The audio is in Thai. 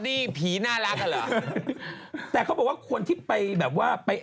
นี่ไงเนี่ยนี่ไง